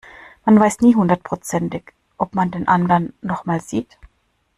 Man weiß nie hundertprozentig, ob man den anderen noch mal sieht.